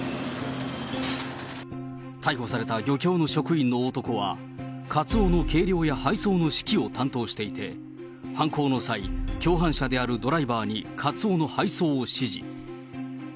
逮捕された漁協の職員の男は、カツオの計量や配送の指揮を担当していて、犯行の際、共犯者であるドライバーにカツオの配送を指示。